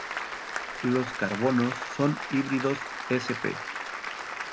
Los carbonos son híbridos sp.